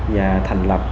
và thành lập